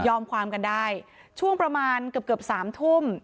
ความกันได้ช่วงประมาณเกือบเกือบสามทุ่ม